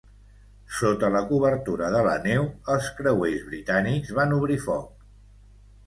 Sota la cobertura de la neu, els creuers britànics van obrir foc.